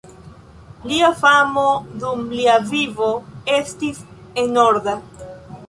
Lia famo dum lia vivo estis enorma.